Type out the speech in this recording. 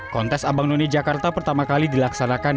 kontes abang none jakarta pertama kali dilaksanakan